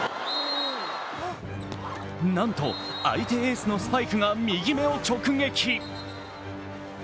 なんと、相手エースのスパイクが右目を直撃。